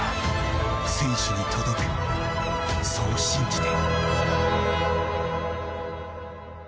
選手に届く、そう信じて。